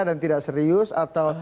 dan tidak serius atau